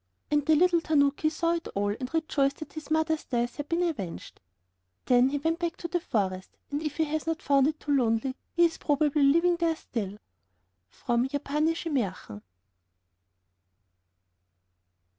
And the little tanoki saw it all, and rejoiced that his mother's death had been avenged. Then he went back to the forest, and if he has not found it too lonely, he is probably living there still. [From Japanische Mährchen.